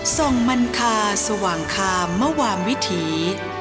ส่งมันคาสว่างคามมวามวิถี